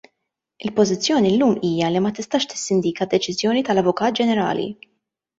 Il-pożizzjoni llum hija li ma tistax tissindika deċiżjoni tal-Avukat Ġenerali.